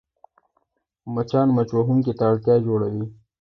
مچان د مچ وهونکي ته اړتیا جوړوي